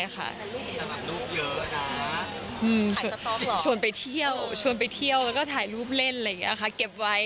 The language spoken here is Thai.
ก็ถ่ายรูปเล่นเก็บไว้